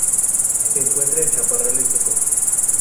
Se encuentra en chaparrales secos.